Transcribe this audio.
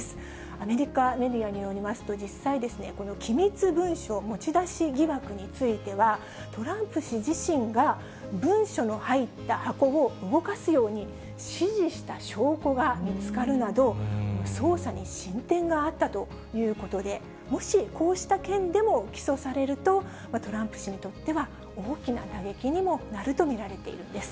アメリカメディアによりますと、実際、この機密文書持ち出し疑惑については、トランプ氏自身が、文書の入った箱を動かすように指示した証拠が見つかるなど、捜査に進展があったということで、もしこうした件でも起訴されると、トランプ氏にとっては、大きな打撃にもなると見られているんです。